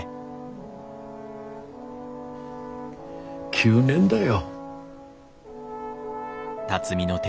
９年だよ。